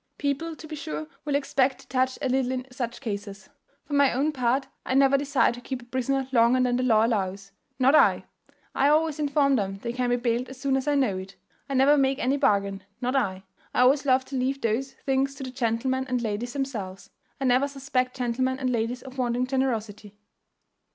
People to be sure will expect to touch a little in such cases. For my own part, I never desire to keep a prisoner longer than the law allows, not I; I always inform them they can be bailed as soon as I know it; I never make any bargain, not I; I always love to leave those things to the gentlemen and ladies themselves. I never suspect gentlemen and ladies of wanting generosity."